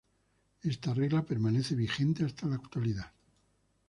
Esta regla permanece vigente hasta la actualidad.